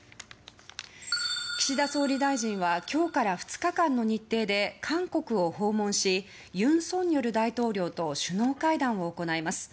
岸田総理大臣は今日から２日間の日程で韓国を訪問し、尹錫悦大統領と首脳会談を行います。